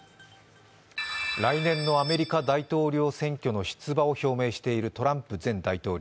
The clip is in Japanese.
来年のアメリカ大統領選挙の出馬を表明しているトランプ前大統領。